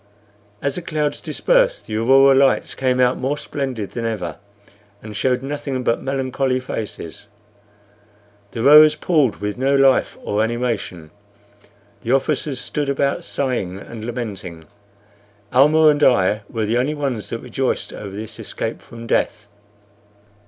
As the clouds dispersed the aurora lights came out more splendid than ever, and showed nothing but melancholy faces. The rowers pulled with no life or animation; the officers stood about sighing and lamenting; Almah and I were the only ones that rejoiced over this escape from death.